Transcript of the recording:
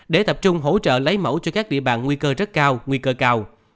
để tập trung hỗ trợ lấy mẫu cho các địa bàn nguy cơ rất cao nguy cơ cao